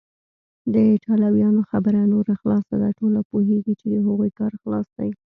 د ایټالویانو خبره نوره خلاصه ده، ټوله پوهیږي چې د هغوی کار خلاص دی.